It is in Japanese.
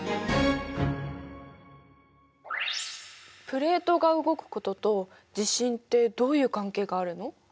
プレートが動くことと地震ってどういう関係があるの？